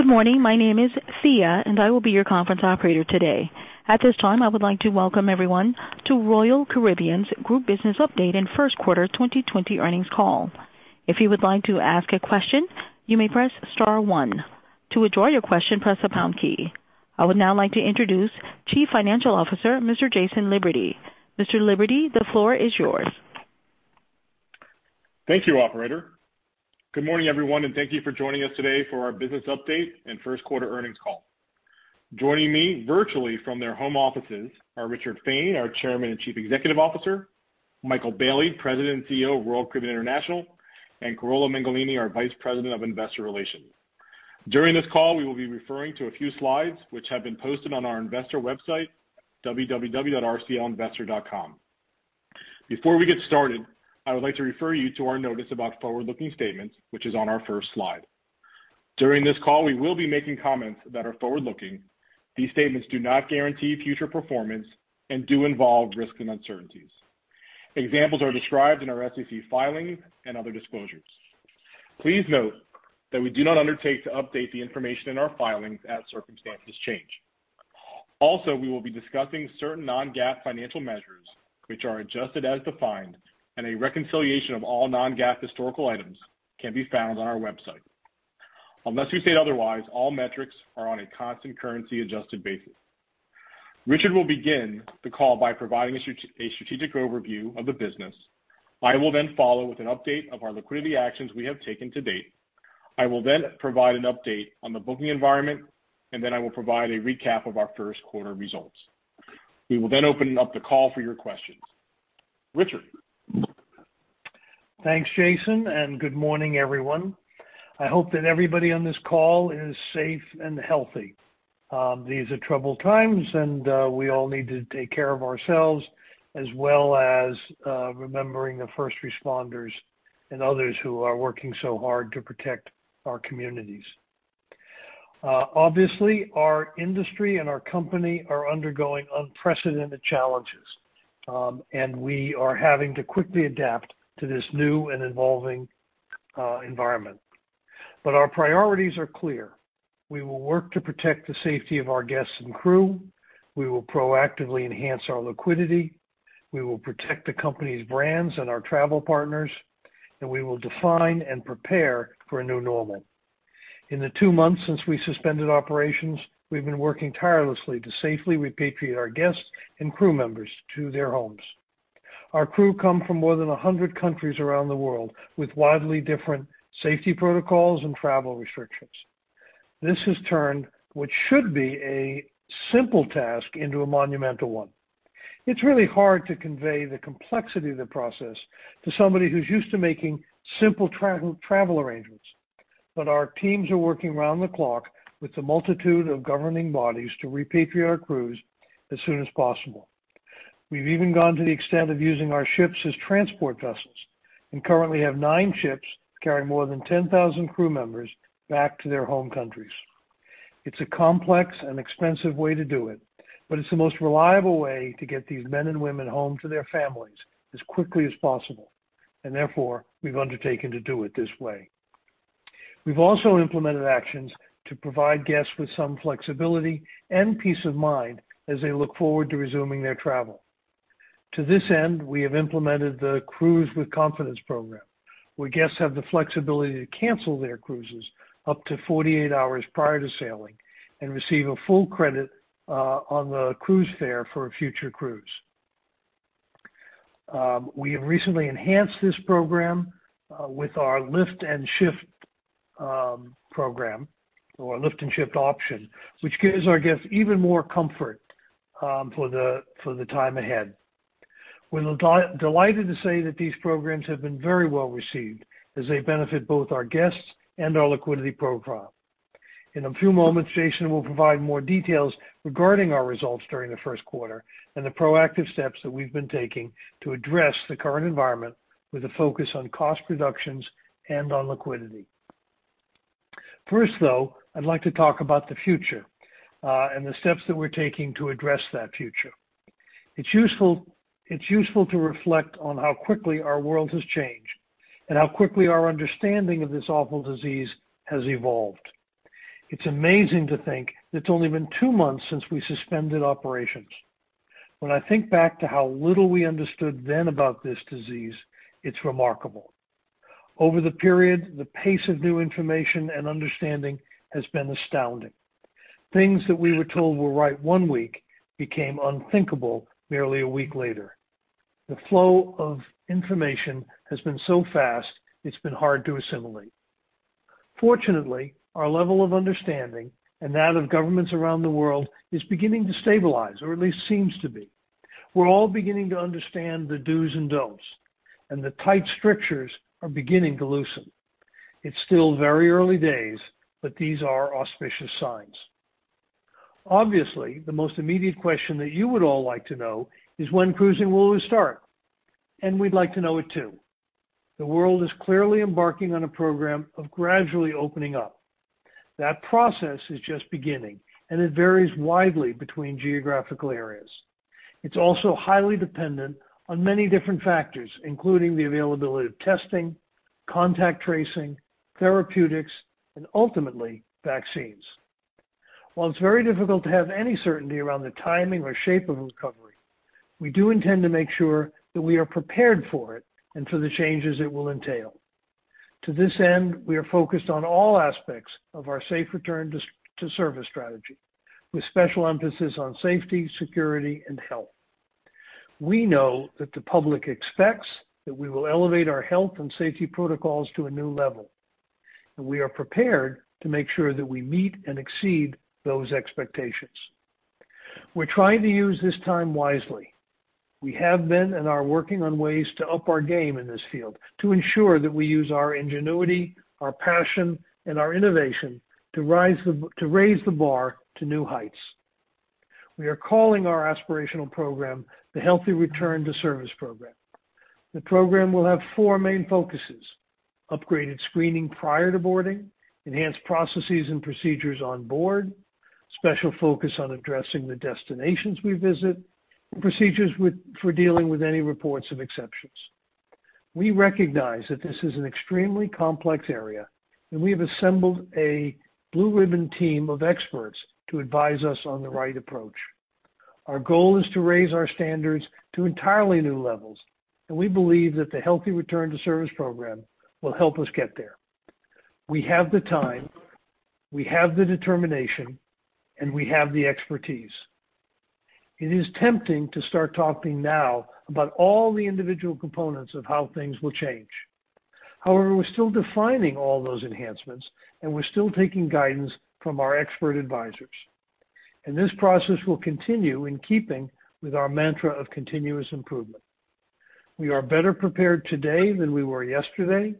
Good morning. My name is Thea, and I will be your conference operator today. At this time, I would like to welcome everyone to Royal Caribbean Group Business Update and First Quarter 2020 Earnings Call. If you would like to ask a question, you may press star one. To withdraw your question, press the pound key. I would now like to introduce Chief Financial Officer, Mr. Jason Liberty. Mr. Liberty, the floor is yours. Thank you, operator. Good morning, everyone, and thank you for joining us today for our business update and first quarter earnings call. Joining me virtually from their home offices are Richard Fain, our Chairman and Chief Executive Officer, Michael Bayley, President and Chief Executive Officer of Royal Caribbean International, and Carola Mengolini, our Vice President of Investor Relations. During this call, we will be referring to a few slides which have been posted on our investor website, www.rclinvestor.com. Before we get started, I would like to refer you to our notice about forward-looking statements, which is on our first slide. During this call, we will be making comments that are forward-looking. These statements do not guarantee future performance and do involve risks and uncertainties. Examples are described in our SEC filings and other disclosures. Please note that we do not undertake to update the information in our filings as circumstances change. We will be discussing certain non-GAAP financial measures which are adjusted as defined, and a reconciliation of all non-GAAP historical items can be found on our website. Unless we state otherwise, all metrics are on a constant currency-adjusted basis. Richard will begin the call by providing a strategic overview of the business. I will then follow with an update of our liquidity actions we have taken to date. I will then provide an update on the booking environment, and then I will provide a recap of our first quarter results. We will then open up the call for your questions. Richard. Thanks, Jason. Good morning, everyone. I hope that everybody on this call is safe and healthy. These are troubled times. We all need to take care of ourselves, as well as remembering the first responders and others who are working so hard to protect our communities. Obviously, our industry and our company are undergoing unprecedented challenges. We are having to quickly adapt to this new and evolving environment. Our priorities are clear. We will work to protect the safety of our guests and crew, we will proactively enhance our liquidity, we will protect the company's brands and our travel partners. We will define and prepare for a new normal. In the two months since we suspended operations, we've been working tirelessly to safely repatriate our guests and crew members to their homes. Our crew come from more than 100 countries around the world, with wildly different safety protocols and travel restrictions. This has turned what should be a simple task into a monumental one. It's really hard to convey the complexity of the process to somebody who's used to making simple travel arrangements. Our teams are working around the clock with a multitude of governing bodies to repatriate our crews as soon as possible. We've even gone to the extent of using our ships as transport vessels and currently have nine ships carrying more than 10,000 crew members back to their home countries. It's a complex and expensive way to do it, but it's the most reliable way to get these men and women home to their families as quickly as possible, and therefore, we've undertaken to do it this way. We've also implemented actions to provide guests with some flexibility and peace of mind as they look forward to resuming their travel. To this end, we have implemented the Cruise with Confidence program, where guests have the flexibility to cancel their cruises up to 48 hours prior to sailing and receive a full credit on the cruise fare for a future cruise. We have recently enhanced this program with our Lift and Shift program, or Lift and Shift option, which gives our guests even more comfort for the time ahead. We're delighted to say that these programs have been very well-received as they benefit both our guests and our liquidity profile. In a few moments, Jason will provide more details regarding our results during the first quarter and the proactive steps that we've been taking to address the current environment with a focus on cost reductions and on liquidity. First, though, I'd like to talk about the future, and the steps that we're taking to address that future. It's useful to reflect on how quickly our world has changed and how quickly our understanding of this awful disease has evolved. It's amazing to think that it's only been two months since we suspended operations. When I think back to how little we understood then about this disease, it's remarkable. Over the period, the pace of new information and understanding has been astounding. Things that we were told were right one week became unthinkable merely a week later. The flow of information has been so fast, it's been hard to assimilate. Fortunately, our level of understanding, and that of governments around the world, is beginning to stabilize, or at least seems to be. We're all beginning to understand the do's and don'ts, and the tight strictures are beginning to loosen. It's still very early days, but these are auspicious signs. Obviously, the most immediate question that you would all like to know is when cruising will restart, and we'd like to know it too. The world is clearly embarking on a program of gradually opening up. That process is just beginning, and it varies widely between geographical areas. It's also highly dependent on many different factors, including the availability of testing, contact tracing, therapeutics, and ultimately, vaccines. While it's very difficult to have any certainty around the timing or shape of a recovery, we do intend to make sure that we are prepared for it and for the changes it will entail. To this end, we are focused on all aspects of our Healthy Return to Service Program with special emphasis on safety, security, and health. We know that the public expects that we will elevate our health and safety protocols to a new level, and we are prepared to make sure that we meet and exceed those expectations. We're trying to use this time wisely. We have been and are working on ways to up our game in this field to ensure that we use our ingenuity, our passion, and our innovation to raise the bar to new heights. We are calling our aspirational program the Healthy Return to Service Program. The program will have four main focuses, upgraded screening prior to boarding, enhanced processes and procedures on board, special focus on addressing the destinations we visit, and procedures for dealing with any reports of exceptions. We recognize that this is an extremely complex area, and we have assembled a blue-ribbon team of experts to advise us on the right approach. Our goal is to raise our standards to entirely new levels, and we believe that the Healthy Return to Service Program will help us get there. We have the time, we have the determination, and we have the expertise. It is tempting to start talking now about all the individual components of how things will change. However, we're still defining all those enhancements, and we're still taking guidance from our expert advisors. This process will continue in keeping with our mantra of continuous improvement. We are better prepared today than we were yesterday,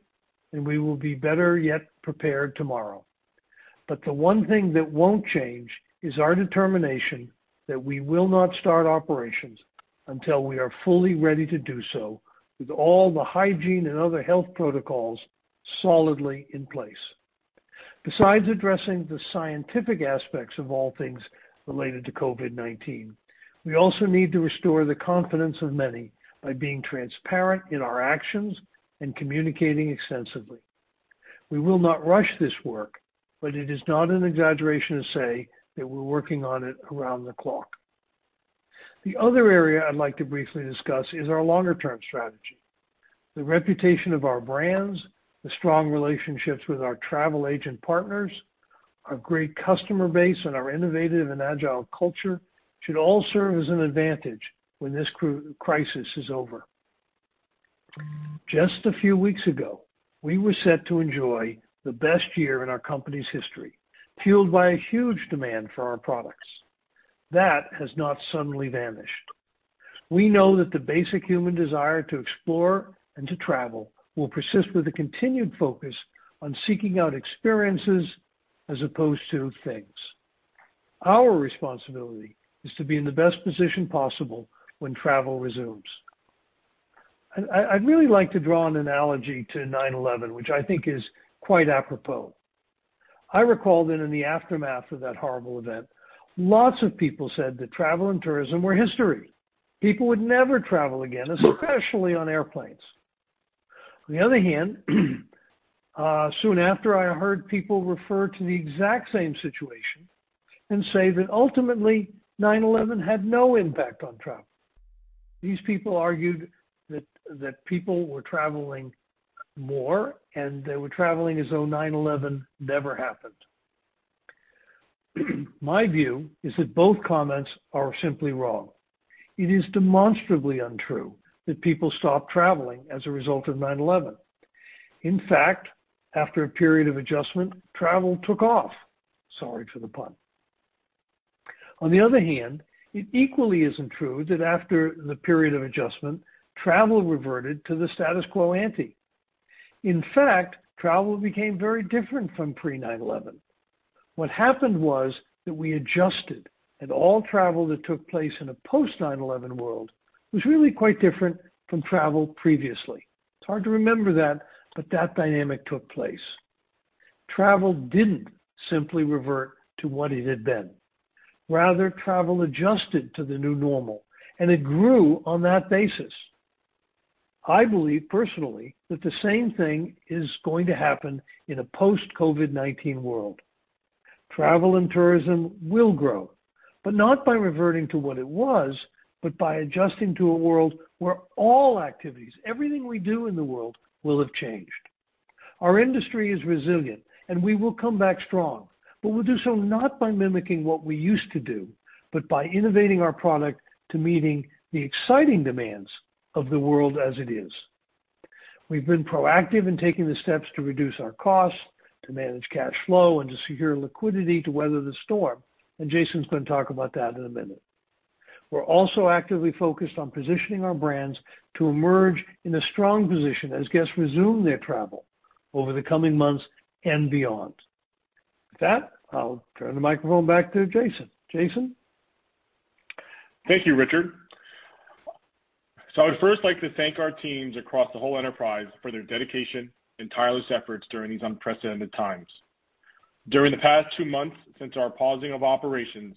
and we will be better yet prepared tomorrow. The one thing that won't change is our determination that we will not start operations until we are fully ready to do so with all the hygiene and other health protocols solidly in place. Besides addressing the scientific aspects of all things related to COVID-19, we also need to restore the confidence of many by being transparent in our actions and communicating extensively. We will not rush this work, but it is not an exaggeration to say that we're working on it around the clock. The other area I'd like to briefly discuss is our longer-term strategy. The reputation of our brands, the strong relationships with our travel agent partners, our great customer base, and our innovative and agile culture should all serve as an advantage when this crisis is over. Just a few weeks ago, we were set to enjoy the best year in our company's history, fueled by a huge demand for our products. That has not suddenly vanished. We know that the basic human desire to explore and to travel will persist with a continued focus on seeking out experiences as opposed to things. Our responsibility is to be in the best position possible when travel resumes. I'd really like to draw an analogy to 9/11, which I think is quite apropos. I recall that in the aftermath of that horrible event, lots of people said that travel and tourism were history. People would never travel again, especially on airplanes. Soon after, I heard people refer to the exact same situation and say that ultimately 9/11 had no impact on travel. These people argued that people were traveling more, and they were traveling as though 9/11 never happened. My view is that both comments are simply wrong. It is demonstrably untrue that people stopped traveling as a result of 9/11. In fact, after a period of adjustment, travel took off. Sorry for the pun. On the other hand, it equally isn't true that after the period of adjustment, travel reverted to the status quo ante. In fact, travel became very different from pre-9/11. What happened was that we adjusted, and all travel that took place in a post-9/11 world was really quite different from travel previously. It's hard to remember that, but that dynamic took place. Travel didn't simply revert to what it had been. Rather, travel adjusted to the new normal, and it grew on that basis. I believe personally that the same thing is going to happen in a post-COVID-19 world. Travel and tourism will grow, but not by reverting to what it was, but by adjusting to a world where all activities, everything we do in the world, will have changed. Our industry is resilient, and we will come back strong, but we'll do so not by mimicking what we used to do, but by innovating our product to meet the exciting demands of the world as it is. We've been proactive in taking the steps to reduce our costs, to manage cash flow, and to secure liquidity to weather the storm, and Jason's going to talk about that in a minute. We're also actively focused on positioning our brands to emerge in a strong position as guests resume their travel over the coming months and beyond. With that, I'll turn the microphone back to Jason. Jason? Thank you, Richard. I would first like to thank our teams across the whole enterprise for their dedication and tireless efforts during these unprecedented times. During the past two months since our pausing of operations,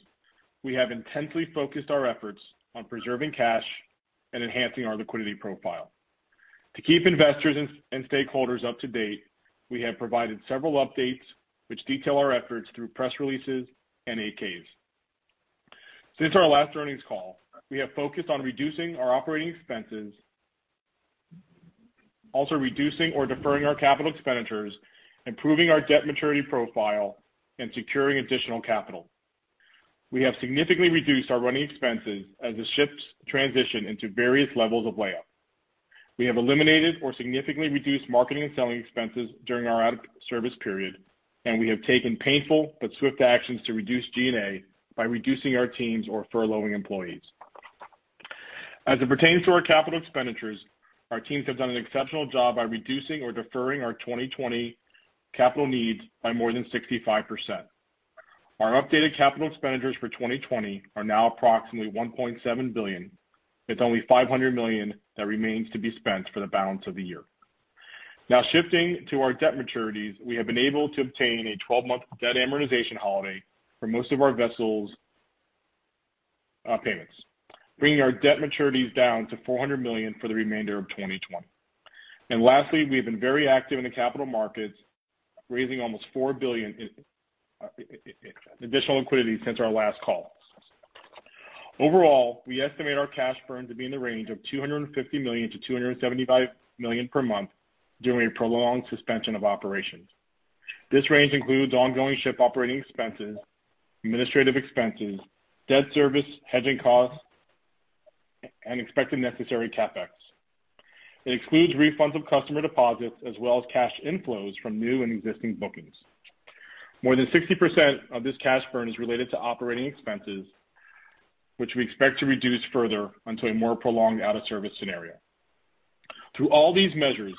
we have intensely focused our efforts on preserving cash and enhancing our liquidity profile. To keep investors and stakeholders up to date, we have provided several updates which detail our efforts through press releases and 8-Ks. Since our last earnings call, we have focused on reducing our operating expenses, also reducing or deferring our capital expenditures, improving our debt maturity profile, and securing additional capital. We have significantly reduced our running expenses as the ships transition into various levels of layup. We have eliminated or significantly reduced marketing and selling expenses during our out-of-service period, and we have taken painful but swift actions to reduce G&A by reducing our teams or furloughing employees. As it pertains to our capital expenditures, our teams have done an exceptional job by reducing or deferring our 2020 capital needs by more than 65%. Our updated capital expenditures for 2020 are now approximately $1.7 billion, with only $500 million that remains to be spent for the balance of the year. Shifting to our debt maturities, we have been able to obtain a 12-month debt amortization holiday for most of our vessels' payments, bringing our debt maturities down to $400 million for the remainder of 2020. Lastly, we've been very active in the capital markets, raising almost $4 billion in additional liquidity since our last call. Overall, we estimate our cash burn to be in the range of $250 million-$275 million per month during a prolonged suspension of operations. This range includes ongoing ship operating expenses, administrative expenses, debt service, hedging costs, and expected necessary CapEx. It excludes refunds of customer deposits, as well as cash inflows from new and existing bookings. More than 60% of this cash burn is related to operating expenses, which we expect to reduce further until a more prolonged out-of-service scenario. Through all these measures,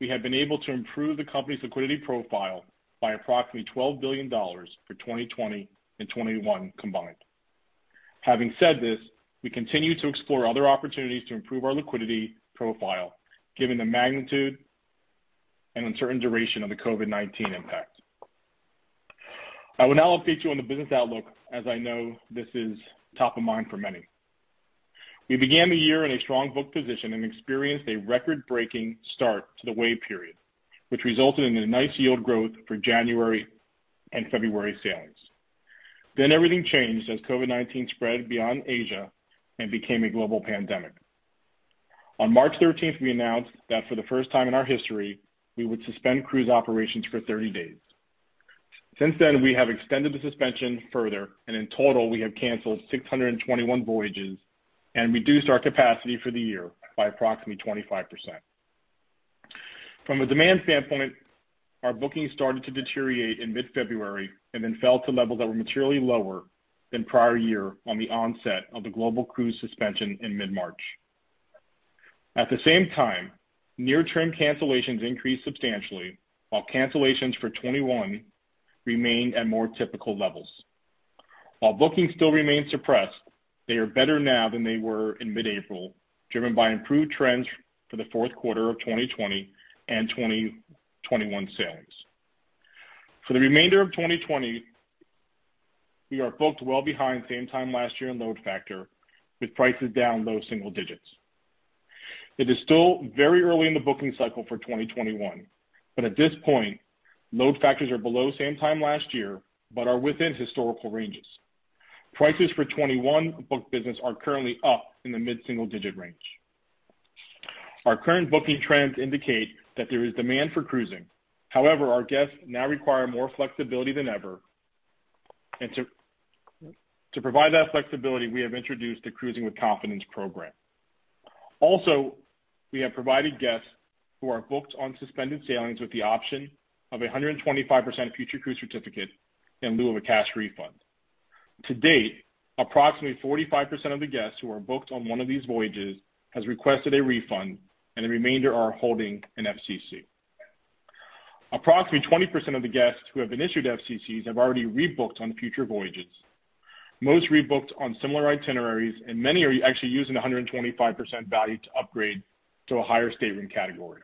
we have been able to improve the company's liquidity profile by approximately $12 billion for 2020 and 2021 combined. Having said this, we continue to explore other opportunities to improve our liquidity profile, given the magnitude and uncertain duration of the COVID-19 impact. I will now update you on the business outlook, as I know this is top of mind for many. We began the year in a strong book position and experienced a record-breaking start to the Wave period, which resulted in a nice yield growth for January and February sailings. Everything changed as COVID-19 spread beyond Asia and became a global pandemic. On March 13th, we announced that for the first time in our history, we would suspend cruise operations for 30 days. Since then, we have extended the suspension further, and in total, we have canceled 621 voyages and reduced our capacity for the year by approximately 25%. From a demand standpoint, our bookings started to deteriorate in mid-February and then fell to levels that were materially lower than prior year on the onset of the global cruise suspension in mid-March. At the same time, near-term cancellations increased substantially, while cancellations for 2021 remained at more typical levels. While bookings still remain suppressed, they are better now than they were in mid-April, driven by improved trends for the fourth quarter of 2020 and 2021 sailings. For the remainder of 2020, we are booked well behind same time last year in load factor, with prices down low single digits. It is still very early in the booking cycle for 2021, but at this point, load factors are below same time last year but are within historical ranges. Prices for 2021 book business are currently up in the mid-single-digit range. Our current booking trends indicate that there is demand for cruising. However, our guests now require more flexibility than ever, and to provide that flexibility, we have introduced the Cruise with Confidence program. Also, we have provided guests who are booked on suspended sailings with the option of 125% future cruise certificate in lieu of a cash refund. To date, approximately 45% of the guests who are booked on one of these voyages have requested a refund, and the remainder are holding an FCC. Approximately 20% of the guests who have been issued FCCs have already rebooked on future voyages. Most rebooked on similar itineraries, and many are actually using 125% value to upgrade to a higher stateroom category.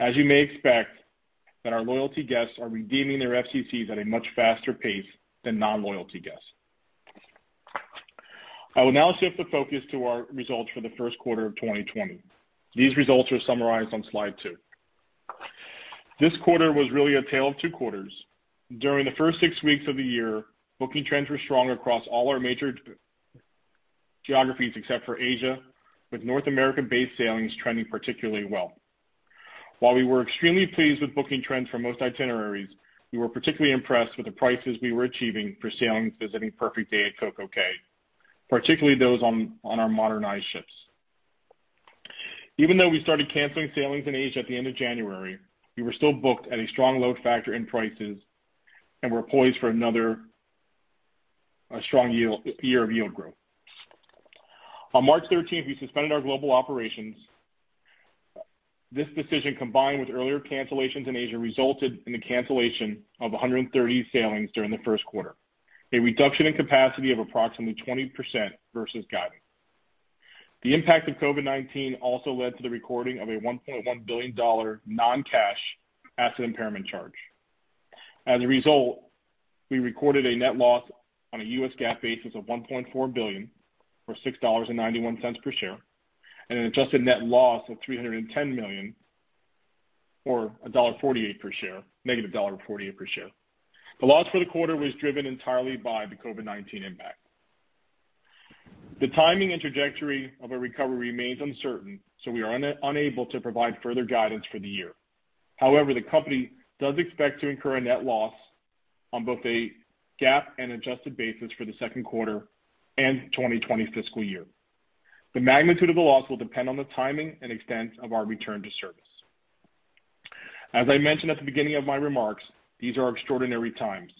As you may expect that our loyalty guests are redeeming their FCCs at a much faster pace than non-loyalty guests. I will now shift the focus to our results for the first quarter of 2020. These results are summarized on slide two. This quarter was really a tale of two quarters. During the first six weeks of the year, booking trends were strong across all our major geographies except for Asia, with North American-based sailings trending particularly well. While we were extremely pleased with booking trends for most itineraries, we were particularly impressed with the prices we were achieving for sailings visiting Perfect Day at CocoCay, particularly those on our modernized ships. Even though we started canceling sailings in Asia at the end of January, we were still booked at a strong load factor and prices and were poised for another strong year of yield growth. On March 13th, we suspended our global operations. This decision, combined with earlier cancellations in Asia, resulted in the cancellation of 130 sailings during the first quarter, a reduction in capacity of approximately 20% versus guidance. The impact of COVID-19 also led to the recording of a $1.1 billion non-cash asset impairment charge. As a result, we recorded a net loss on a US GAAP basis of $1.4 billion or $6.91 per share, and an adjusted net loss of $310 million or a negative $1.48 per share. The loss for the quarter was driven entirely by the COVID-19 impact. The timing and trajectory of a recovery remains uncertain, so we are unable to provide further guidance for the year. However, the company does expect to incur a net loss on both a GAAP and adjusted basis for the second quarter and 2020 fiscal year. The magnitude of the loss will depend on the timing and extent of our return to service. As I mentioned at the beginning of my remarks, these are extraordinary times.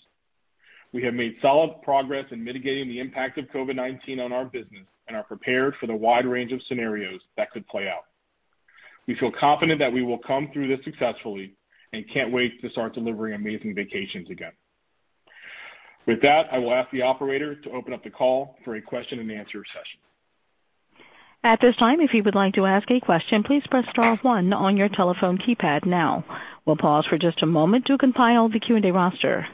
We have made solid progress in mitigating the impact of COVID-19 on our business and are prepared for the wide range of scenarios that could play out. We feel confident that we will come through this successfully and can't wait to start delivering amazing vacations again. With that, I will ask the operator to open up the call for a question and answer session. At this time, if you would like to ask a question, please press star one on your telephone keypad now. We'll pause for just a moment to compile the Q&A roster.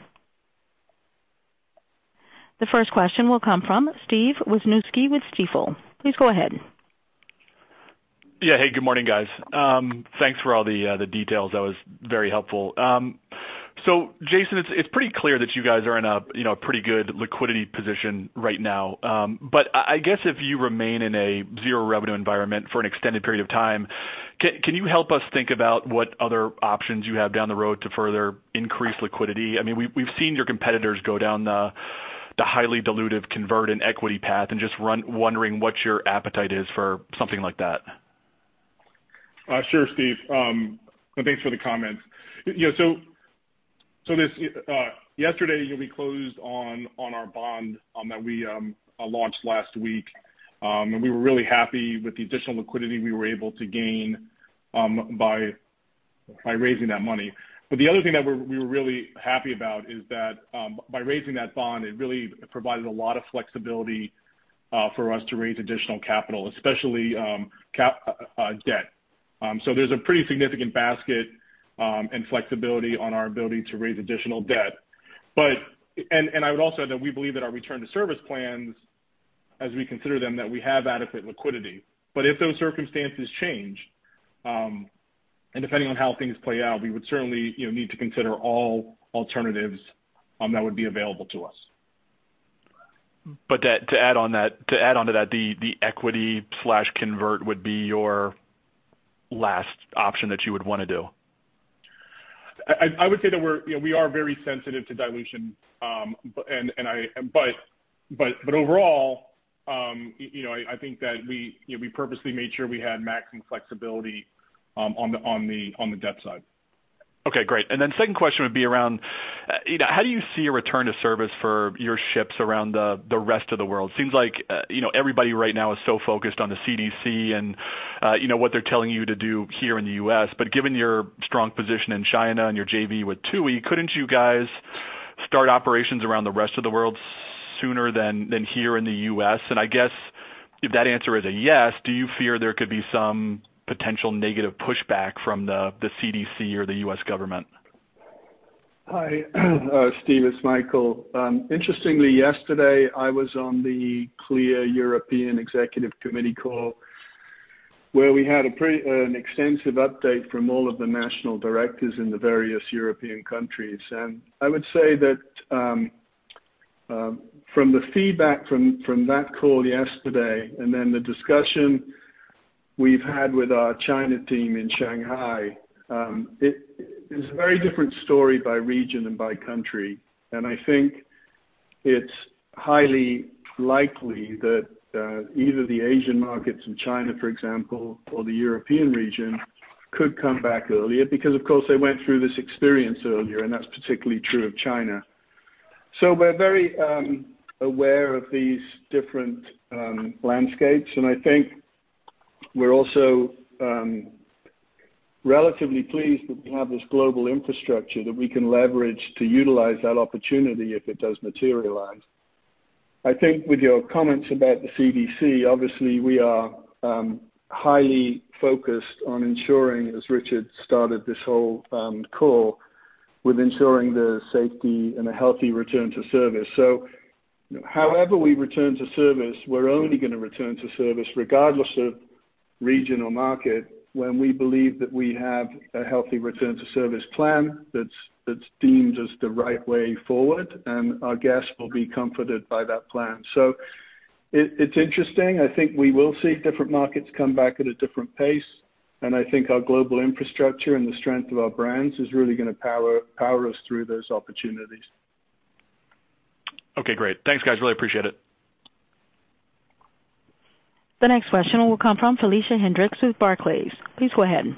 The first question will come from Steven Wieczynski with Stifel. Please go ahead. Hey, good morning, guys. Thanks for all the details. That was very helpful. Jason, it's pretty clear that you guys are in a pretty good liquidity position right now. I guess if you remain in a zero-revenue environment for an extended period of time, can you help us think about what other options you have down the road to further increase liquidity? We've seen your competitors go down the highly dilutive convert and equity path and just wondering what your appetite is for something like that. Sure, Steve. Thanks for the comments. Yesterday, we closed on our bond that we launched last week. We were really happy with the additional liquidity we were able to gain by raising that money. The other thing that we were really happy about is that by raising that bond, it really provided a lot of flexibility for us to raise additional capital, especially debt. There's a pretty significant basket and flexibility on our ability to raise additional debt. I would also add that we believe that our return to service plans, as we consider them, that we have adequate liquidity. If those circumstances change, and depending on how things play out, we would certainly need to consider all alternatives that would be available to us. To add onto that, the equity/convert would be your last option that you would want to do? I would say that we are very sensitive to dilution. Overall, I think that we purposely made sure we had maximum flexibility on the debt side. Okay, great. Second question would be around how do you see a return to service for your ships around the rest of the world? Seems like everybody right now is so focused on the CDC and what they're telling you to do here in the U.S. Given your strong position in China and your JV with TUI, couldn't you guys start operations around the rest of the world sooner than here in the U.S.? I guess if that answer is a yes, do you fear there could be some potential negative pushback from the CDC or the U.S. government? Hi, Steve, it's Michael. Interestingly, yesterday I was on the CLIA European Executive Committee call where we had an extensive update from all of the national directors in the various European countries. I would say that from the feedback from that call yesterday and the discussion we've had with our China team in Shanghai, it's a very different story by region and by country. I think it's highly likely that either the Asian markets in China, for example, or the European region could come back earlier because, of course, they went through this experience earlier, and that's particularly true of China. We're very aware of these different landscapes, and I think we're also relatively pleased that we have this global infrastructure that we can leverage to utilize that opportunity if it does materialize. I think with your comments about the CDC, obviously we are highly focused, as Richard started this whole call, with ensuring the safety and a healthy return to service. However we return to service, we're only going to return to service regardless of region or market when we believe that we have a Healthy Return to Service Program that's deemed as the right way forward, and our guests will be comforted by that plan. It's interesting. I think we will see different markets come back at a different pace, and I think our global infrastructure and the strength of our brands is really going to power us through those opportunities. Okay, great. Thanks, guys. Really appreciate it. The next question will come from Felicia Hendrix with Barclays. Please go ahead.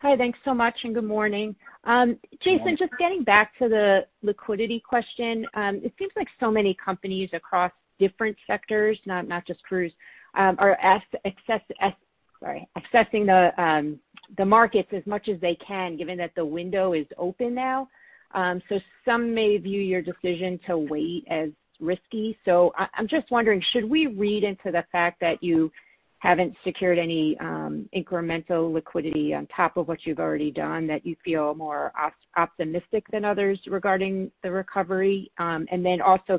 Hi, thanks so much, and good morning. Good morning. Jason, just getting back to the liquidity question. It seems like so many companies across different sectors, not just cruise, are accessing the markets as much as they can, given that the window is open now. Some may view your decision to wait as risky. I'm just wondering, should we read into the fact that you haven't secured any incremental liquidity on top of what you've already done, that you feel more optimistic than others regarding the recovery? Can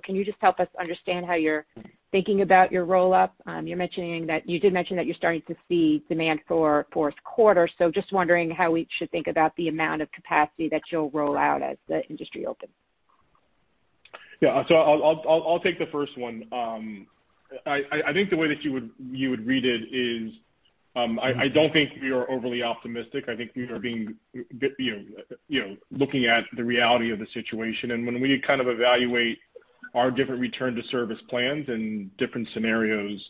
you just help us understand how you're thinking about your roll-up? You did mention that you're starting to see demand for fourth quarter, so just wondering how we should think about the amount of capacity that you'll roll out as the industry opens. Yeah. I'll take the first one. I think the way that you would read it is, I don't think we are overly optimistic. I think we are looking at the reality of the situation. When we kind of evaluate our different return to service plans and different scenarios,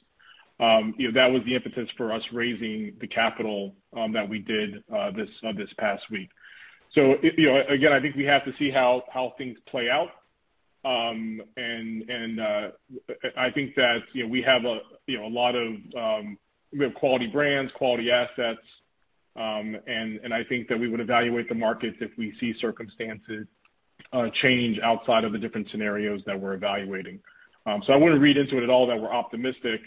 that was the impetus for us raising the capital that we did this past week. Again, I think we have to see how things play out. I think that we have quality brands, quality assets, and I think that we would evaluate the markets if we see circumstances change outside of the different scenarios that we're evaluating. I wouldn't read into it at all that we're optimistic.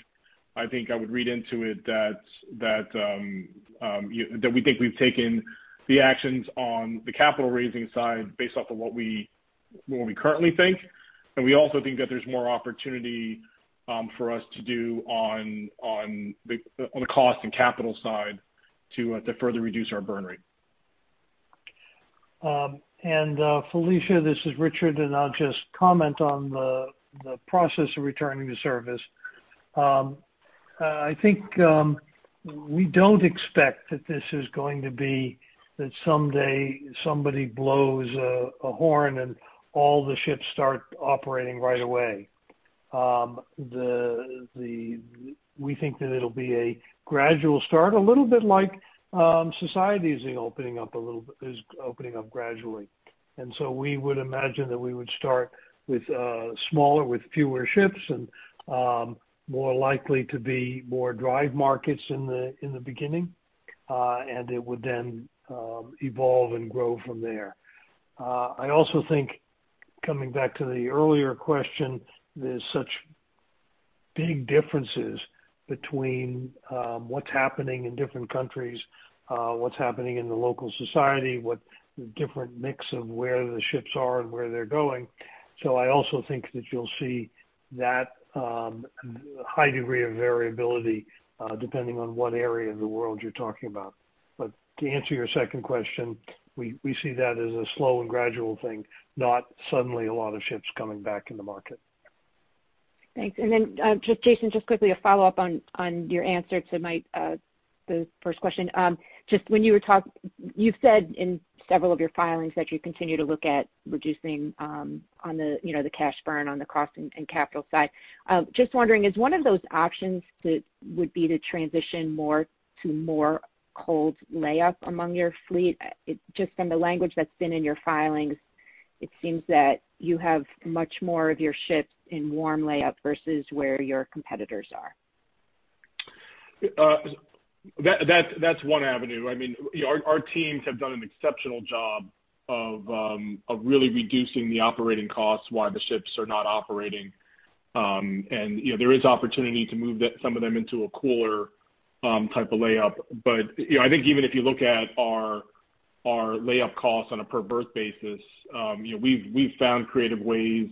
I think I would read into it that we think we've taken the actions on the capital raising side based off of what we currently think. We also think that there's more opportunity for us to do on the cost and capital side to further reduce our burn rate. Felicia, this is Richard, and I'll just comment on the process of returning to service. I think we don't expect that this is going to be that someday somebody blows a horn and all the ships start operating right away. We think that it'll be a gradual start, a little bit like society is opening up gradually. We would imagine that we would start with smaller, with fewer ships and more likely to be more drive markets in the beginning. It would then evolve and grow from there. I also think, coming back to the earlier question, there's such big differences between what's happening in different countries, what's happening in the local society, what different mix of where the ships are and where they're going. I also think that you'll see that high degree of variability depending on what area of the world you're talking about. To answer your second question, we see that as a slow and gradual thing, not suddenly a lot of ships coming back in the market. Thanks. Jason, just quickly a follow-up on your answer to the first question. You've said in several of your filings that you continue to look at reducing on the cash burn on the cost and capital side. Just wondering, is one of those options would be to transition more to more cold layup among your fleet? Just from the language that's been in your filings, it seems that you have much more of your ships in warm layup versus where your competitors are. That's one avenue. I mean, our teams have done an exceptional job of really reducing the operating costs while the ships are not operating. There is opportunity to move some of them into a cooler type of layup. I think even if you look at our layup costs on a per berth basis, we've found creative ways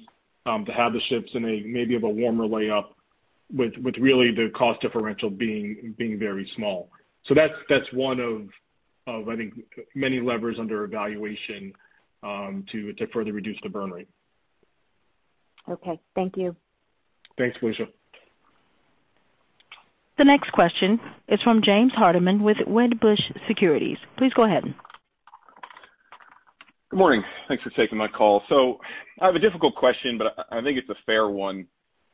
to have the ships in maybe of a warmer layup with really the cost differential being very small. That's one of, I think, many levers under evaluation to further reduce the burn rate. Okay. Thank you. Thanks, Felicia. The next question is from James Hardiman with Wedbush Securities. Please go ahead. Good morning. Thanks for taking my call. I have a difficult question, but I think it's a fair one.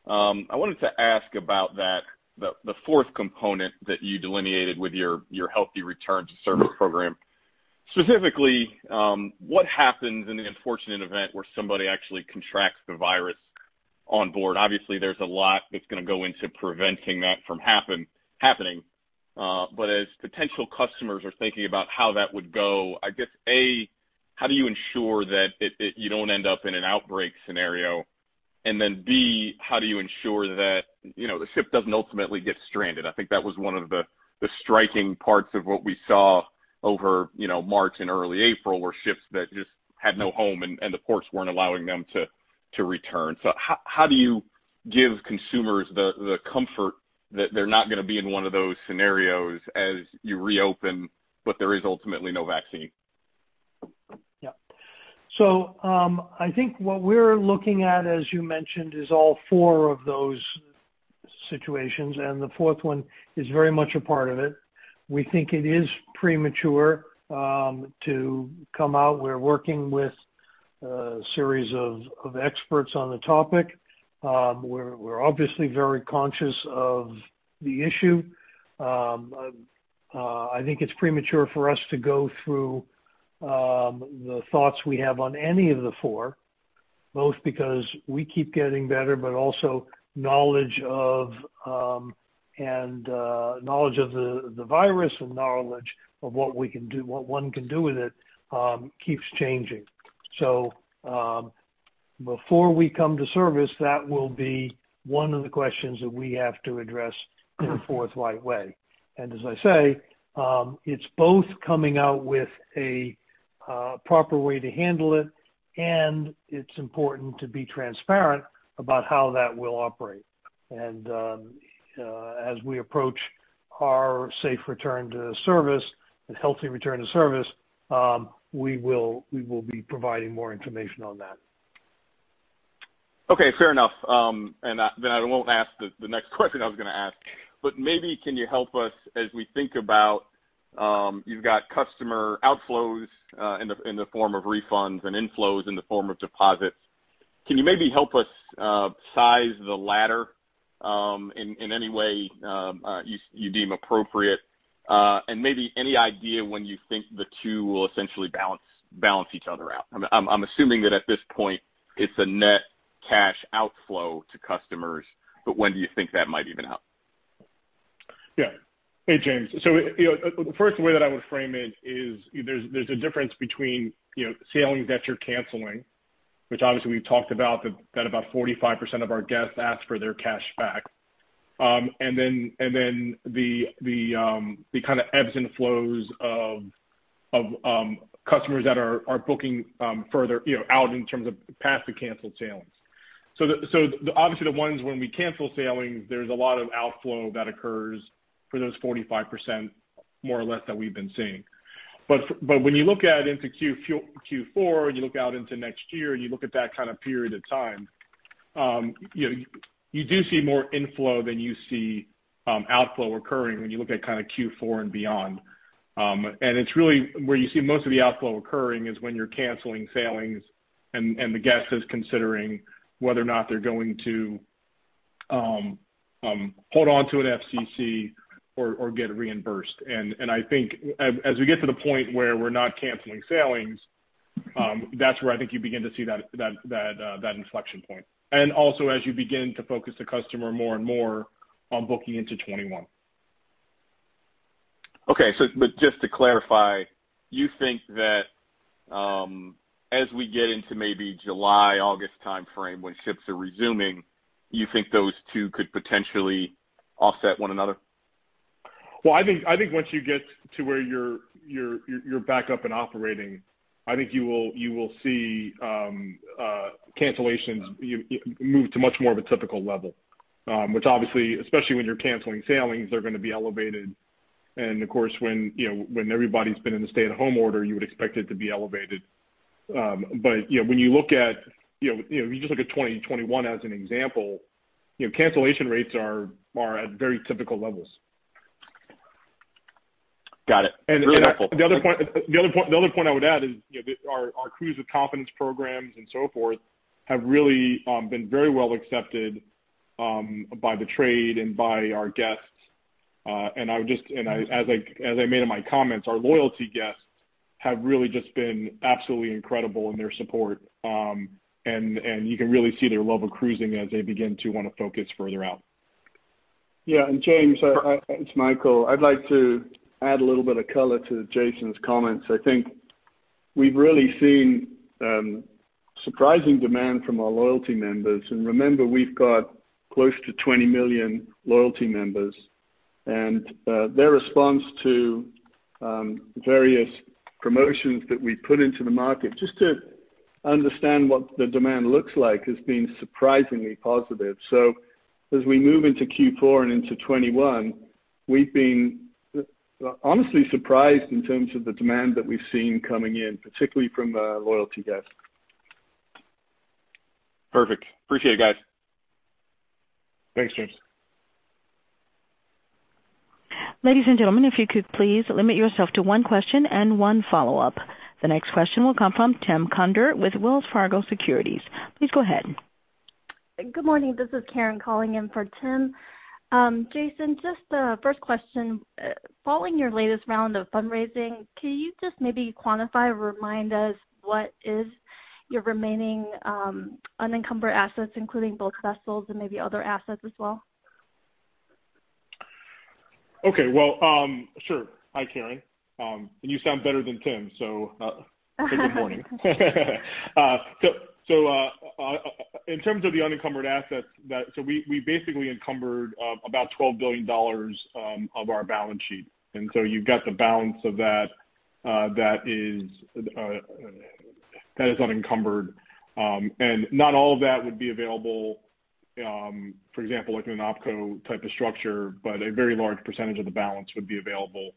I wanted to ask about the fourth component that you delineated with your Healthy Return to Service Program. Specifically, what happens in the unfortunate event where somebody actually contracts the virus on board? Obviously, there's a lot that's going to go into preventing that from happening. As potential customers are thinking about how that would go, I guess, A, how do you ensure that you don't end up in an outbreak scenario? B, how do you ensure that the ship doesn't ultimately get stranded? I think that was one of the striking parts of what we saw over March and early April, were ships that just had no home, and the ports weren't allowing them to return. How do you give consumers the comfort that they're not going to be in one of those scenarios as you reopen, but there is ultimately no vaccine? Yeah. I think what we're looking at, as you mentioned, is all four of those situations, and the fourth one is very much a part of it. We think it is premature to come out. We're working with a series of experts on the topic. We're obviously very conscious of the issue. I think it's premature for us to go through the thoughts we have on any of the four, both because we keep getting better, but also knowledge of the virus and knowledge of what one can do with it keeps changing. Before we come to service, that will be one of the questions that we have to address in a forthright way. As I say, it's both coming out with a proper way to handle it, and it's important to be transparent about how that will operate. As we approach our safe return to service and Healthy Return to Service, we will be providing more information on that. Okay. Fair enough. I won't ask the next question I was going to ask, but maybe can you help us as we think about, you've got customer outflows in the form of refunds and inflows in the form of deposits. Can you maybe help us size the latter in any way you deem appropriate? Maybe any idea when you think the two will essentially balance each other out? I'm assuming that at this point it's a net cash outflow to customers, but when do you think that might even out? Hey, James. The first way that I would frame it is there's a difference between sailings that you're canceling, which obviously we've talked about that about 45% of our guests ask for their cash back. The kind of ebbs and flows of customers that are booking further out in terms of past the canceled sailings. Obviously the ones when we cancel sailings, there's a lot of outflow that occurs for those 45%, more or less, that we've been seeing. When you look out into Q4, and you look out into next year and you look at that kind of period of time, you do see more inflow than you see outflow occurring when you look at Q4 and beyond. It's really where you see most of the outflow occurring is when you're canceling sailings and the guest is considering whether or not they're going to hold onto an FCC or get reimbursed. I think as we get to the point where we're not canceling sailings, that's where I think you begin to see that inflection point. Also, as you begin to focus the customer more and more on booking into 2021. Okay. Just to clarify, you think that as we get into maybe July, August timeframe, when ships are resuming, you think those two could potentially offset one another? I think once you get to where you're back up and operating, I think you will see cancellations move to much more of a typical level. Obviously, especially when you're canceling sailings, they're going to be elevated, and of course, when everybody's been in the stay-at-home order, you would expect it to be elevated. When you just look at 2021 as an example, cancellation rates are at very typical levels. Got it. Very helpful. The other point I would add is our Cruise with Confidence programs and so forth have really been very well accepted by the trade and by our guests. As I made in my comments, our loyalty guests have really just been absolutely incredible in their support. You can really see their love of cruising as they begin to want to focus further out. Yeah. And James, it's Michael. I'd like to add a little bit of color to Jason's comments. I think we've really seen surprising demand from our loyalty members, and remember, we've got close to 20 million loyalty members. Their response to various promotions that we put into the market, just to understand what the demand looks like, has been surprisingly positive. As we move into Q4 and into 2021, we've been honestly surprised in terms of the demand that we've seen coming in, particularly from loyalty guests. Perfect. Appreciate it, guys. Thanks, James. Ladies and gentlemen, if you could please limit yourself to one question and one follow-up. The next question will come from Tim Conder with Wells Fargo Securities. Please go ahead. Good morning. This is Karen calling in for Tim. Jason, just a first question. Following your latest round of fundraising, can you just maybe quantify or remind us what is your remaining unencumbered assets, including both vessels and maybe other assets as well? Okay. Well, sure. Hi, Karen. You sound better than Tim. Good morning. In terms of the unencumbered assets, we basically encumbered about $12 billion of our balance sheet. You've got the balance of that is unencumbered. Not all of that would be available, for example, like in an OpCo type of structure, but a very large percentage of the balance would be available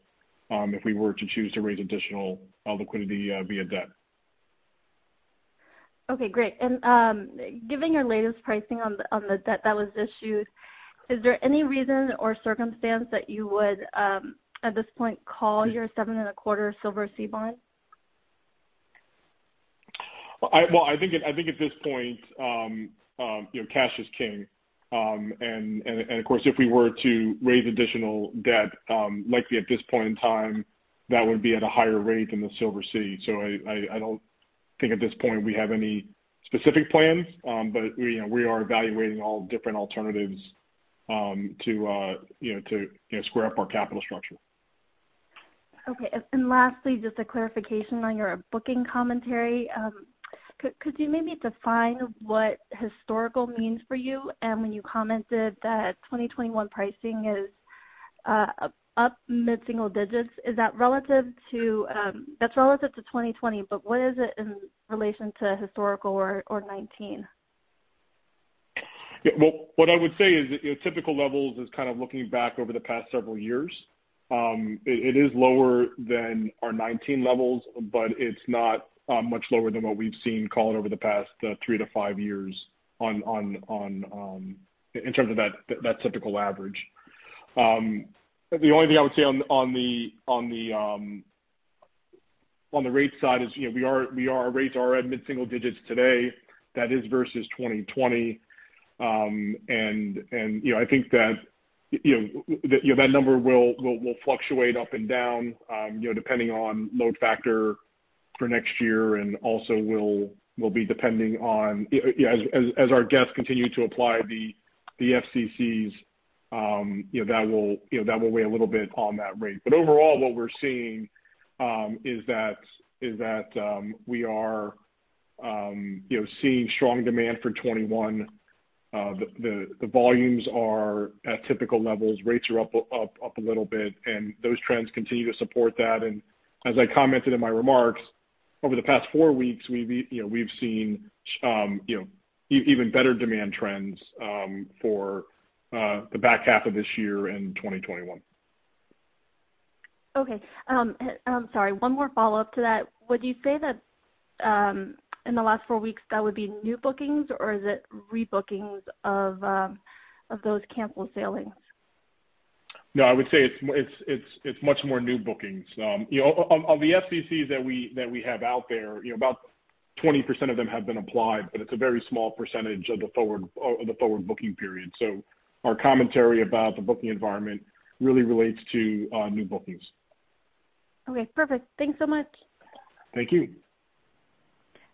if we were to choose to raise additional liquidity via debt. Okay, great. Given your latest pricing on the debt that was issued, is there any reason or circumstance that you would, at this point, call your seven-and-a-quarter Silversea bond? Well, I think at this point, cash is king. Of course, if we were to raise additional debt, likely at this point in time, that would be at a higher rate than the Silversea. I don't think at this point we have any specific plans, but we are evaluating all different alternatives to square up our capital structure. Okay. Lastly, just a clarification on your booking commentary. Could you maybe define what historical means for you and when you commented that 2021 pricing is up mid-single digits? That's relative to 2020, but what is it in relation to historical or 2019? Well, what I would say is, typical levels is kind of looking back over the past several years. It is lower than our 2019 levels, but it's not much lower than what we've seen call it over the past three to five years in terms of that typical average. The only thing I would say on the rate side is our rates are at mid-single digits today, that is versus 2020. I think that number will fluctuate up and down depending on load factor for next year and also will be depending on as our guests continue to apply the FCCs, that will weigh a little bit on that rate. Overall, what we're seeing is that we are seeing strong demand for 2021. The volumes are at typical levels. Rates are up a little bit, those trends continue to support that. As I commented in my remarks, over the past four weeks, we've seen even better demand trends for the back half of this year and 2021. Okay. I'm sorry, one more follow-up to that. Would you say that in the last four weeks, that would be new bookings or is it rebookings of those canceled sailings? No, I would say it's much more new bookings. On the FCCs that we have out there, about 20% of them have been applied, but it's a very small percentage of the forward booking period. Our commentary about the booking environment really relates to new bookings. Okay, perfect. Thanks so much. Thank you.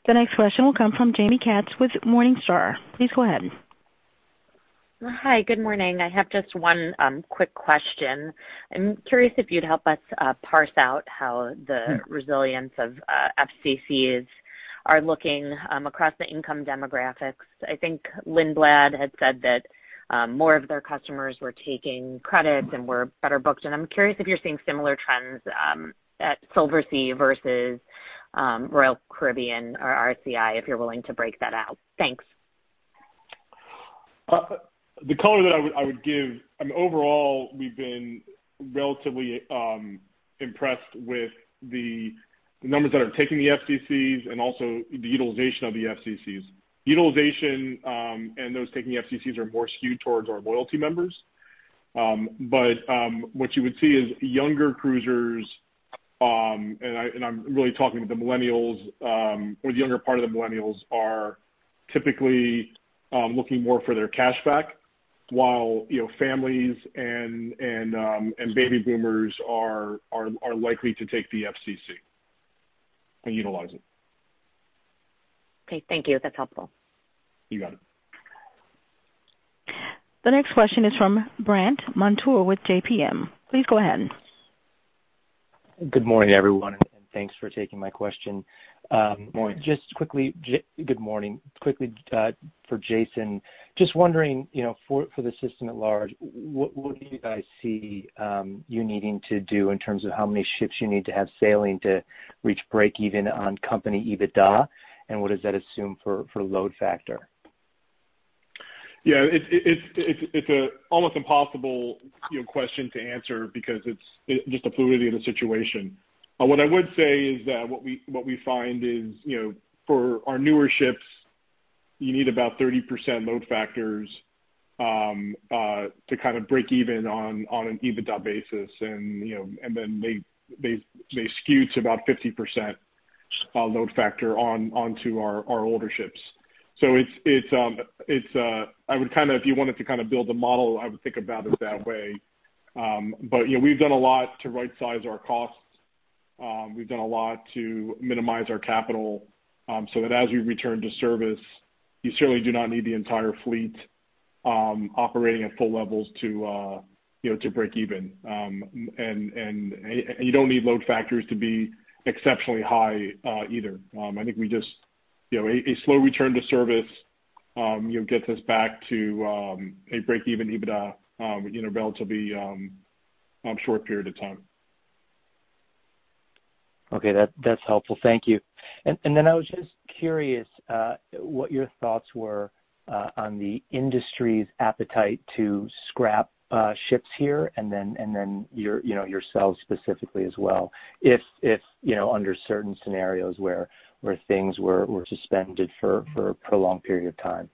The next question will come from Jaime Katz with Morningstar. Please go ahead. Hi, good morning. I have just one quick question. I'm curious if you'd help us parse out how the resilience of FCCs are looking across the income demographics. I think Lindblad had said that more of their customers were taking credits and were better booked. I'm curious if you're seeing similar trends at Silversea versus Royal Caribbean or RCI, if you're willing to break that out. Thanks. The color that I would give, I mean, overall, we've been relatively impressed with the numbers that are taking the FCCs and also the utilization of the FCCs. Utilization, and those taking FCCs are more skewed towards our loyalty members. What you would see is younger cruisers, and I'm really talking with the millennials or the younger part of the millennials are typically looking more for their cash back while families and baby boomers are likely to take the FCC and utilize it. Okay. Thank you. That's helpful. You got it. The next question is from Brandt Montour with JPMorgan. Please go ahead. Good morning, everyone, and thanks for taking my question. Morning. Good morning. Quickly for Jason, just wondering, for the system at large, what do you guys see you needing to do in terms of how many ships you need to have sailing to reach breakeven on company EBITDA? What does that assume for load factor? Yeah. It's an almost impossible question to answer because it's just the fluidity of the situation. What I would say is that what we find is for our newer ships, you need about 30% load factors to kind of break even on an EBITDA basis. Then they skew to about 50% load factor onto our older ships. If you wanted to build a model, I would think about it that way. We've done a lot to right-size our costs. We've done a lot to minimize our capital so that as we return to service, you certainly do not need the entire fleet operating at full levels to break even. You don't need load factors to be exceptionally high either. I think a slow return to service gets us back to a break-even EBITDA in a relatively short period of time. Okay. That's helpful. Thank you. I was just curious what your thoughts were on the industry's appetite to scrap ships here, and then yourselves specifically as well, if under certain scenarios where things were suspended for a prolonged period of time?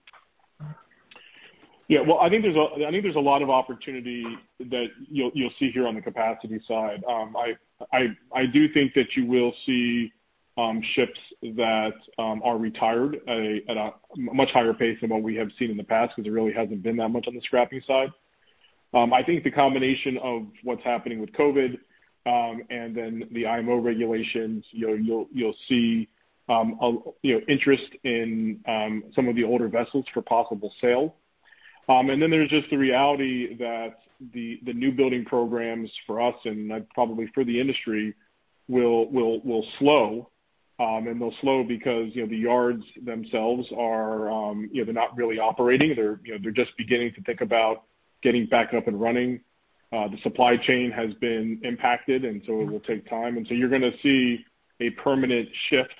Yeah. Well, I think there's a lot of opportunity that you'll see here on the capacity side. I do think that you will see ships that are retired at a much higher pace than what we have seen in the past because there really hasn't been that much on the scrapping side. I think the combination of what's happening with COVID and then the IMO regulations, you'll see interest in some of the older vessels for possible sale. There's just the reality that the newbuilding programs for us, and probably for the industry, will slow. They'll slow because the yards themselves are not really operating. They're just beginning to think about getting back up and running. The supply chain has been impacted, and so it will take time. You're going to see a permanent shift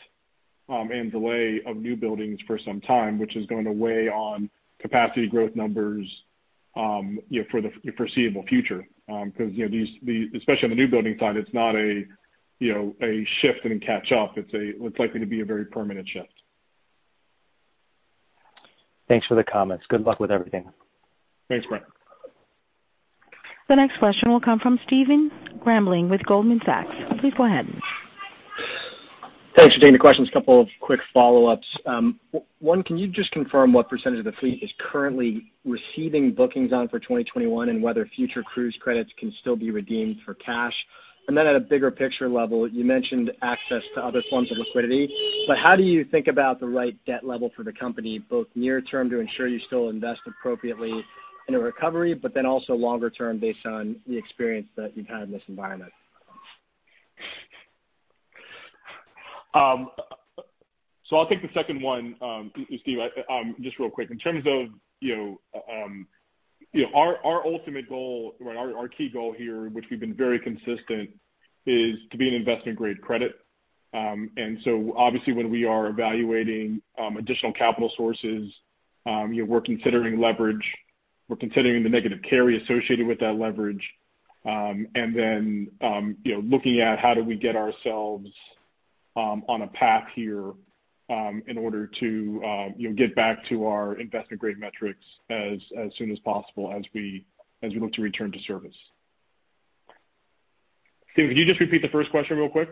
and delay of newbuildings for some time, which is going to weigh on capacity growth numbers for the foreseeable future. Especially on the newbuilding side, it's not a shift and catch up. It's likely to be a very permanent shift. Thanks for the comments. Good luck with everything. Thanks, Brandt. The next question will come from Stephen Grambling with Goldman Sachs. Please go ahead. Thanks for taking the questions. A couple of quick follow-ups. One, can you just confirm what % of the fleet is currently receiving bookings on for 2021, and whether future cruise credits can still be redeemed for cash? At a bigger picture level, you mentioned access to other forms of liquidity, but how do you think about the right debt level for the company, both near term, to ensure you still invest appropriately in a recovery, but then also longer term based on the experience that you've had in this environment? I'll take the second one, Steve, just real quick. In terms of our ultimate goal, our key goal here, which we've been very consistent, is to be an investment-grade credit. Obviously when we are evaluating additional capital sources, we're considering leverage, we're considering the negative carry associated with that leverage, and then looking at how do we get ourselves on a path here in order to get back to our investment-grade metrics as soon as possible as we look to return to service. Steve, could you just repeat the first question real quick?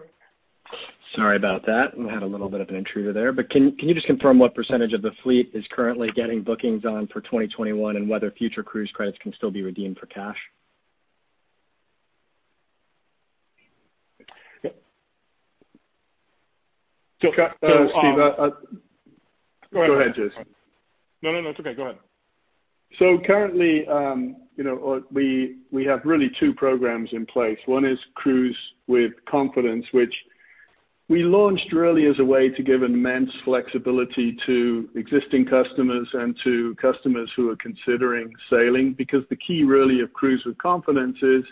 Sorry about that. We had a little bit of an intruder there, but can you just confirm what % of the fleet is currently getting bookings on for 2021, and whether future cruise credits can still be redeemed for cash? Steve- So- Go ahead, Jason. No, it's okay. Go ahead. Currently, we have really two programs in place. One is Cruise with Confidence, which we launched really as a way to give immense flexibility to existing customers and to customers who are considering sailing. The key really of Cruise with Confidence is,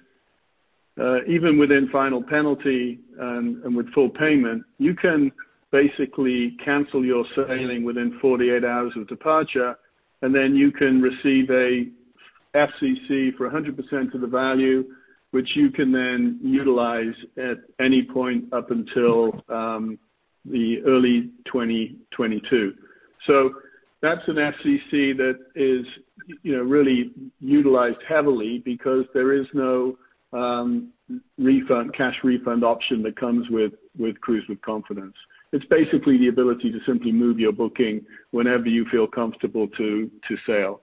even within final penalty and with full payment, you can basically cancel your sailing within 48 hours of departure, and then you can receive a FCC for 100% of the value, which you can then utilize at any point up until the early 2022. That's an FCC that is really utilized heavily because there is no cash refund option that comes with Cruise with Confidence. It's basically the ability to simply move your booking whenever you feel comfortable to sail.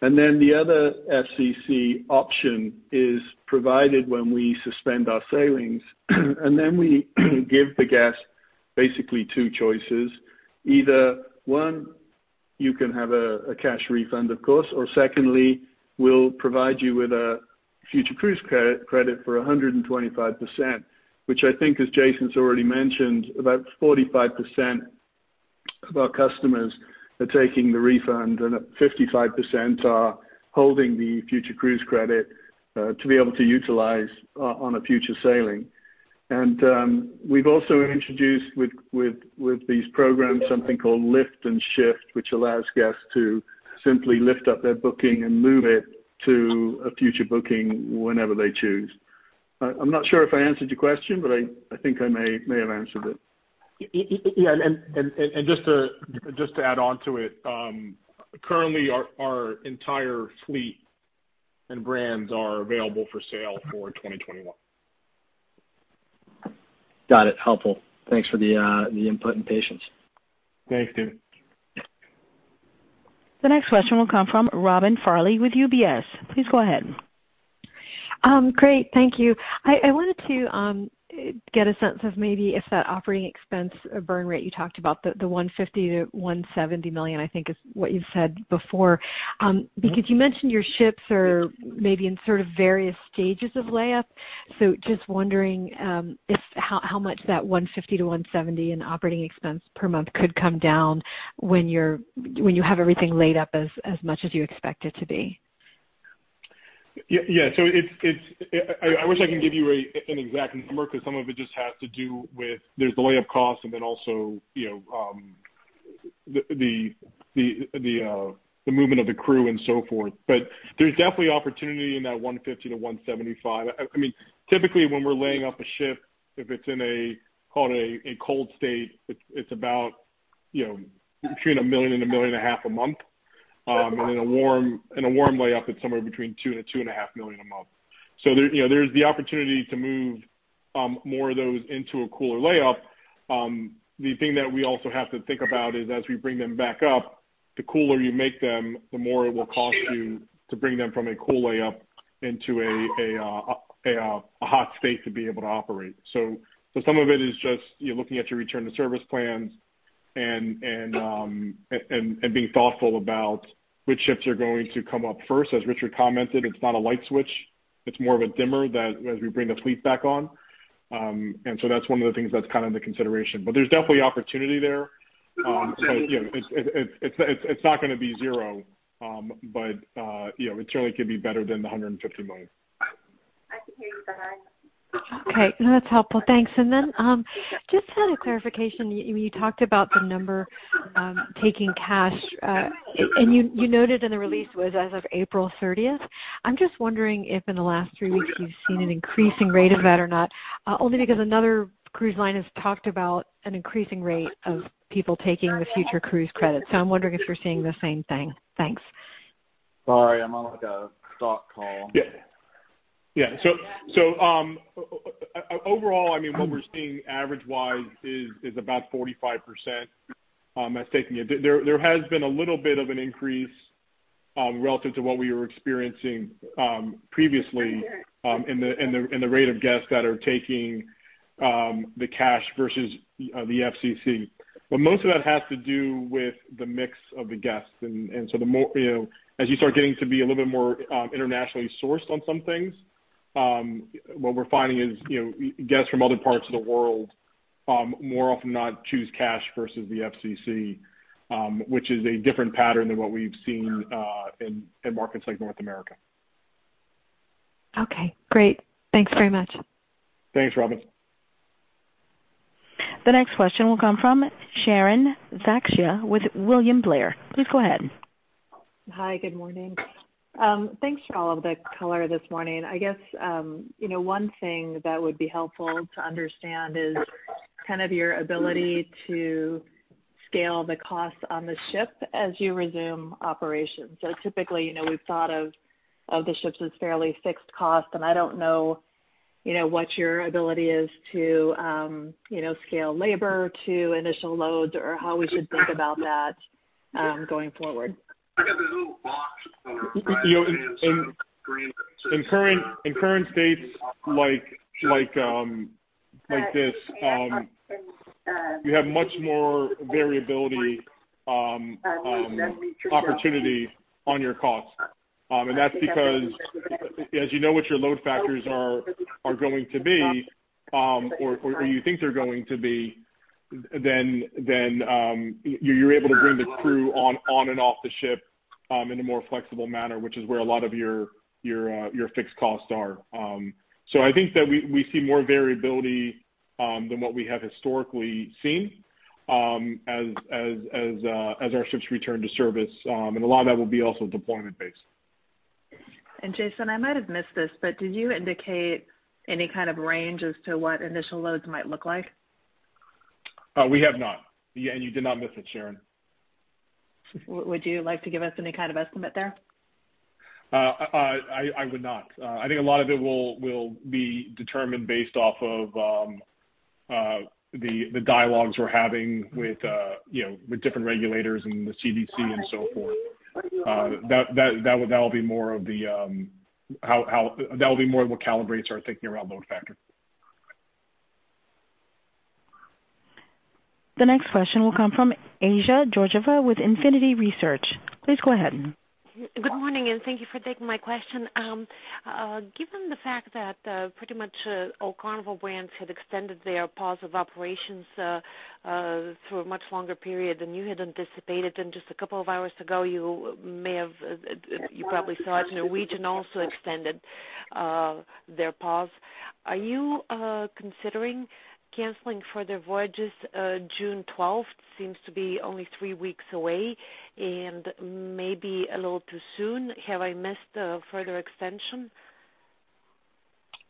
The other FCC option is provided when we suspend our sailings, we give the guest basically two choices. Either one, you can have a cash refund, of course, or secondly, we'll provide you with a future cruise credit for 125%, which I think, as Jason's already mentioned, about 45% of our customers are taking the refund and 55% are holding the future cruise credit to be able to utilize on a future sailing. We've also introduced with these programs something called Lift and Shift, which allows guests to simply lift up their booking and move it to a future booking whenever they choose. I'm not sure if I answered your question, I think I may have answered it. Yeah, just to add onto it, currently our entire fleet and brands are available for sale for 2021. Got it. Helpful. Thanks for the input and patience. Thanks, Steve. The next question will come from Robin Farley with UBS. Please go ahead. Great. Thank you. I wanted to get a sense of maybe if that operating expense burn rate you talked about, the $150 million to $170 million, I think is what you've said before. You mentioned your ships are maybe in sort of various stages of layup, so just wondering if how much that 150 to 170 in operating expense per month could come down when you have everything laid up as much as you expect it to be? Yeah. I wish I could give you an exact number because some of it just has to do with there's the layup cost and then also the movement of the crew and so forth. There's definitely opportunity in that $150 million-$175 million. Typically, when we're laying up a ship, if it's in a, call it a cold state, it's between $1 million and $1.5 million a month. In a warm layup, it's somewhere between $2 million and $2.5 million a month. There's the opportunity to move more of those into a cooler layup. The thing that we also have to think about is as we bring them back up, the cooler you make them, the more it will cost you to bring them from a cool layup into a hot state to be able to operate. Some of it is just, you're looking at your return-to-service plans and being thoughtful about which ships are going to come up first. As Richard commented, it's not a light switch, it's more of a dimmer as we bring the fleet back on. That's one of the things that's kind of the consideration. There's definitely opportunity there. It's not going to be zero, but it certainly could be better than the $150 million. Okay. No, that's helpful. Thanks. Just had a clarification. You talked about the number taking cash, and you noted in the release was as of April 30th. I'm just wondering if in the last three weeks you've seen an increasing rate of that or not. Only because another cruise line has talked about an increasing rate of people taking the Future Cruise Credit. I'm wondering if you're seeing the same thing. Thanks. Yeah. Overall, what we're seeing average-wise is about 45% that's taking it. There has been a little bit of an increase, relative to what we were experiencing previously, in the rate of guests that are taking the cash versus the FCC. Most of that has to do with the mix of the guests, as you start getting to be a little bit more internationally sourced on some things, what we're finding is guests from other parts of the world more often not choose cash versus the FCC, which is a different pattern than what we've seen in markets like North America. Okay, great. Thanks very much. Thanks, Robin. The next question will come from Sharon Zackfia with William Blair. Please go ahead. Hi. Good morning. Thanks for all of the color this morning. I guess one thing that would be helpful to understand is kind of your ability to scale the costs on the ship as you resume operations. Typically, we've thought of the ships as fairly fixed costs, and I don't know what your ability is to scale labor to initial loads or how we should think about that going forward. In current states like this, you have much more variability opportunity on your costs. That's because as you know what your load factors are going to be, or you think they're going to be, then you're able to bring the crew on and off the ship in a more flexible manner, which is where a lot of your fixed costs are. I think that we see more variability than what we have historically seen as our ships return to service. A lot of that will be also deployment-based. Jason, I might have missed this, but did you indicate any kind of range as to what initial loads might look like? We have not. You did not miss it, Sharon. Would you like to give us any kind of estimate there? I would not. I think a lot of it will be determined based off of the dialogues we're having with different regulators and the CDC and so forth. That will be more of what calibrates our thinking around load factor. The next question will come from Assia Georgieva with Infinity Research. Please go ahead. Good morning. Thank you for taking my question. Given the fact that pretty much all Carnival brands have extended their pause of operations through a much longer period than you had anticipated, and just a couple of hours ago, you probably saw it, Norwegian also extended their pause. Are you considering canceling further voyages June 12th? Seems to be only three weeks away and maybe a little too soon. Have I missed a further extension?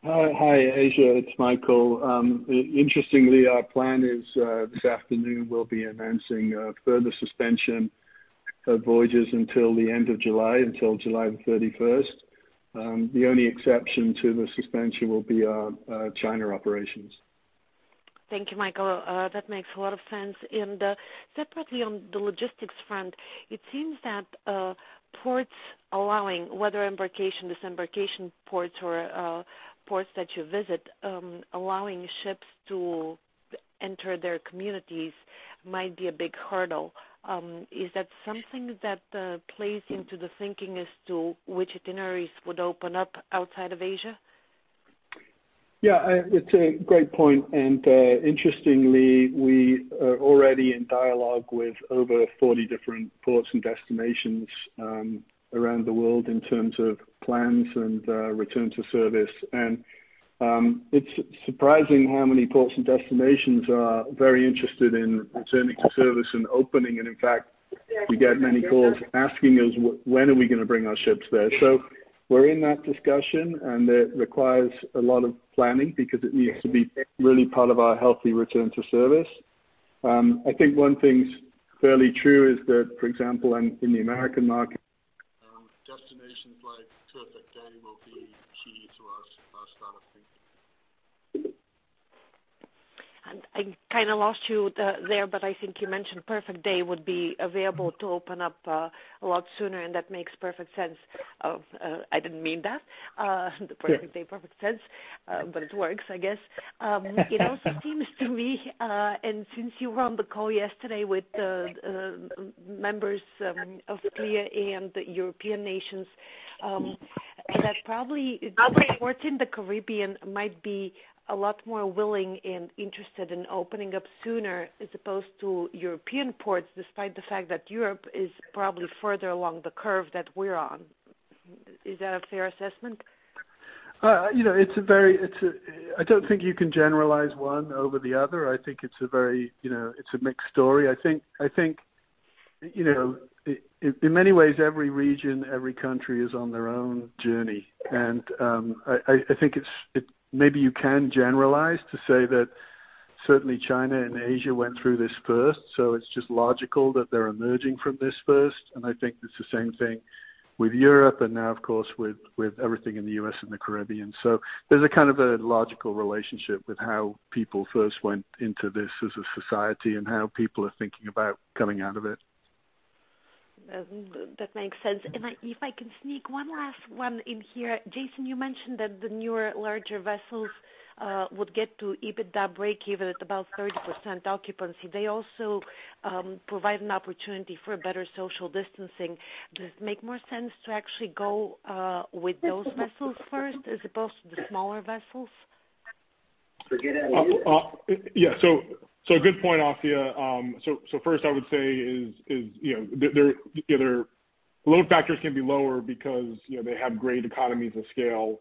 Hi, Assia, it's Michael. Interestingly, our plan is this afternoon we'll be announcing a further suspension of voyages until the end of July, until July the 31st. The only exception to the suspension will be our China operations. Thank you, Michael. That makes a lot of sense. Separately on the logistics front, it seems that ports allowing, whether embarkation, disembarkation ports or ports that you visit, allowing ships to enter their communities might be a big hurdle. Is that something that plays into the thinking as to which itineraries would open up outside of Asia? Yeah, it's a great point. Interestingly, we are already in dialogue with over 40 different ports and destinations around the world in terms of plans and return to service. It's surprising how many ports and destinations are very interested in returning to service and opening. We get many calls asking us when are we going to bring our ships there. We're in that discussion. It requires a lot of planning because it needs to be really part of our Healthy Return to Service. I think one thing's fairly true is that, for example, in the U.S. market, destinations like Perfect Day will be key to our start-up. I kind of lost you there, but I think you mentioned Perfect Day would be available to open up a lot sooner, and that makes perfect sense. I didn't mean that, the Perfect Day, perfect sense, but it works, I guess. It also seems to me, and since you were on the call yesterday with members of CLIA and European nations, that probably Okay ports in the Caribbean might be a lot more willing and interested in opening up sooner as opposed to European ports, despite the fact that Europe is probably further along the curve that we're on. Is that a fair assessment? I don't think you can generalize one over the other. I think it's a mixed story. I think, in many ways, every region, every country is on their own journey. I think maybe you can generalize to say that certainly China and Asia went through this first, so it's just logical that they're emerging from this first, and I think it's the same thing with Europe, and now of course, with everything in the U.S. and the Caribbean. There's a kind of a logical relationship with how people first went into this as a society and how people are thinking about coming out of it. That makes sense. If I can sneak one last one in here. Jason, you mentioned that the newer, larger vessels would get to EBITDA breakeven at about 30% occupancy. They also provide an opportunity for better social distancing. Does it make more sense to actually go with those vessels first as opposed to the smaller vessels? Forget it. A good point, Assia. First I would say is, the load factors can be lower because they have great economies of scale.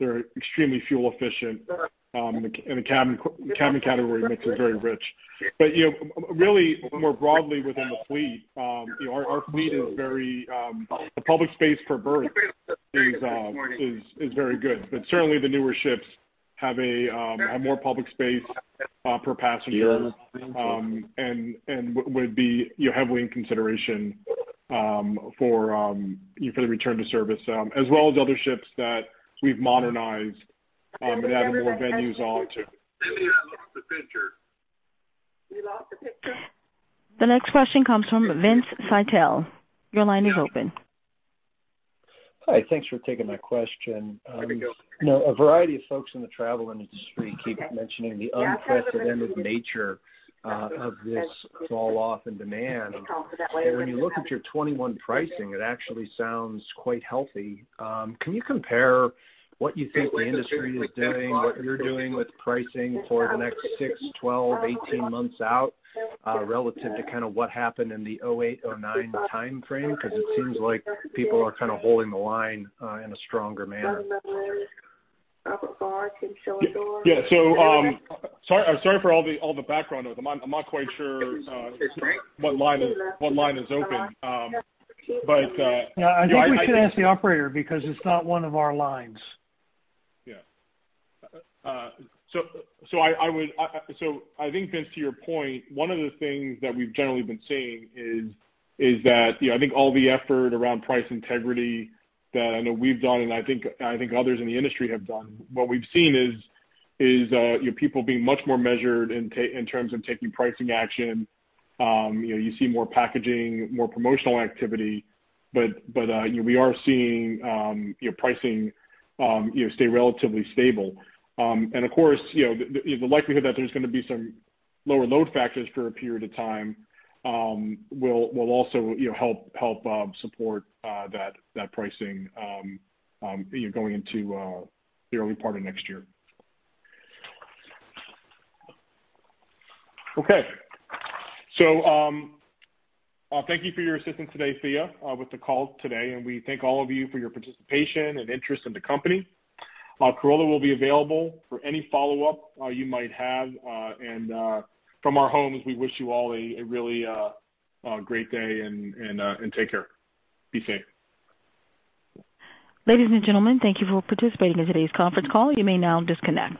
They're extremely fuel efficient, and the cabin category mix is very rich. Really more broadly within the fleet, the public space per berth is very good. Certainly the newer ships have more public space per passenger. Yeah Would be heavily in consideration for the Return to Service, as well as other ships that we've modernized and added more venues on to. Maybe I lost the picture. We lost the picture? The next question comes from Vince Ciepiel. Your line is open. Hi. Thanks for taking my question. A variety of folks in the travel industry keep mentioning the unprecedented nature of this fall-off in demand. When you look at your 2021 pricing, it actually sounds quite healthy. Can you compare what you think the industry is doing, what you're doing with pricing for the next 6, 12, 18 months out, relative to what happened in the 2008, 2009 timeframe? It seems like people are kind of holding the line in a stronger manner. Yeah. Sorry for all the background noise. I'm not quite sure what line is open. Yeah, I think we should ask the operator because it's not one of our lines. Yeah. I think, Vince, to your point, one of the things that we've generally been seeing is that I think all the effort around price integrity that I know we've done and I think others in the industry have done, what we've seen is people being much more measured in terms of taking pricing action. You see more packaging, more promotional activity, but we are seeing pricing stay relatively stable. Of course, the likelihood that there's going to be some lower load factors for a period of time will also help support that pricing going into the early part of next year. Okay. Thank you for your assistance today, Afia, with the call today, and we thank all of you for your participation and interest in the company. Carola will be available for any follow-up you might have. From our homes, we wish you all a really great day, and take care. Be safe. Ladies and gentlemen, thank you for participating in today's conference call. You may now disconnect.